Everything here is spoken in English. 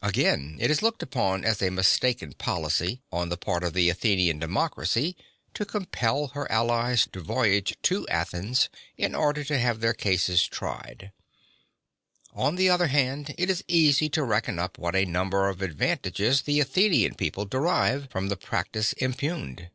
Again, (40) it is looked upon as a mistaken policy on the part of the Athenian democracy to compel her allies to voyage to Athens in order to have their cases tried. (41) On the other hand, it is easy to reckon up what a number of advantages the Athenian People derive from the practice impugned.